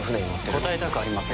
答えたくありません。